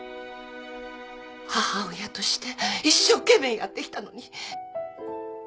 母親として一生懸命やってきたのに。